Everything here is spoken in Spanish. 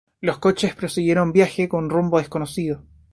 Los coches prosiguieron viaje con rumbo desconocido.